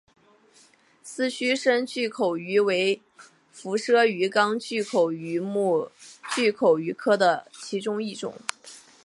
丝须深巨口鱼为辐鳍鱼纲巨口鱼目巨口鱼科的其中一种。